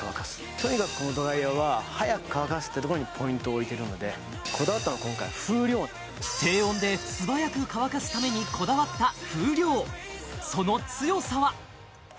とにかくこのドライヤーは早く乾かすってところにポイントを置いてるのでこだわったのは今回風量低温で素早く乾かすためにこだわった風量その強さは？